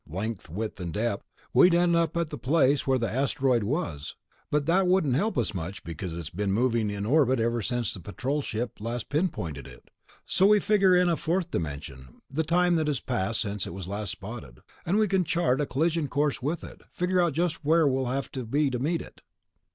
length, width and depth ... we'd end up at the place where the asteroid was, but that wouldn't help us much because it's been moving in orbit ever since the Patrol Ship last pinpointed it. So we figure in a fourth dimension ... the time that's passed since it was last spotted ... and we can chart a collision course with it, figure out just where we'll have to be to meet it."